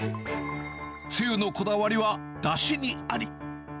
つゆのこだわりはだしにあり。